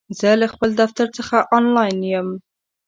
زه له خپل دفتر څخه آنلاین یم!